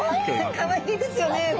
かわいいですよね。